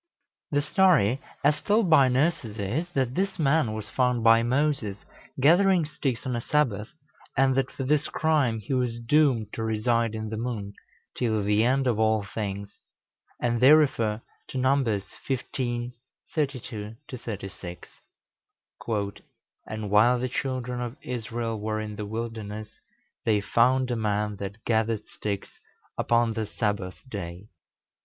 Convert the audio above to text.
The story as told by nurses is, that this man was found by Moses gathering sticks on a Sabbath, and that, for this crime, he was doomed to reside in the moon till the end of all things; and they refer to Numbers xv. 32 36: "And while the children of Israel were in the wilderness, they found a man that gathered sticks upon the Sabbath day.